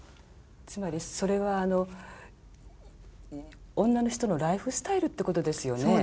つまりそれは女の人のライフスタイルってことですよね